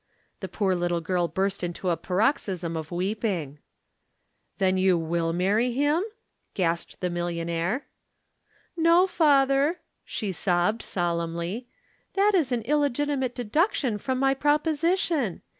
The poor little girl burst into a paroxysm of weeping. "Then you will marry him?" gasped the millionaire. "No, father," she sobbed solemnly, "that is an illegitimate deduction from my proposition.